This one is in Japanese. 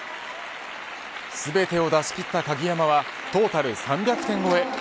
全てを出し切った鍵山はトータル３００点超え。